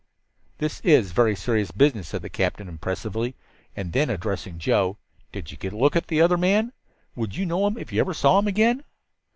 "This is very serious business," said the captain impressively. And then, addressing Joe: "Did you get a look at the other man? Would you know him if you ever saw him again?"